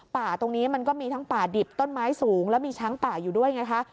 ป่าตรงนี้มันก็มีทั้งป่าดิบต้นไม้สูงแล้วมีช้างป่าอยู่ด้วยไงคะ